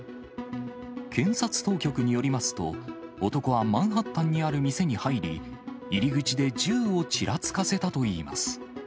検察当局によりますと、男はマンハッタンにある店に入り、入り口で銃をちらつかせたといいます。